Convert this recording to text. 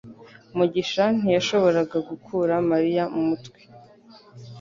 mugisha ntiyashoboraga gukura Mariya mu mutwe